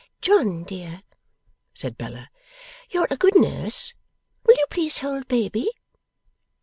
'John dear,' said Bella, 'you're a good nurse; will you please hold baby?